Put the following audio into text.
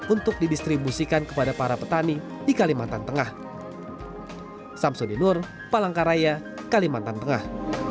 untuk didistribusikan kepada para petani di kalimantan tengah